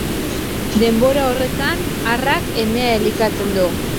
Denbora horretan, arrak emea elikatzen du.